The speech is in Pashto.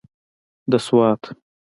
د سوات.